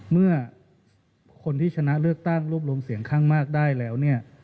เมื่อคนที่ชนะเลือกตั้งรวบรวมเสียงข้างมากได้แล้วเนี่ย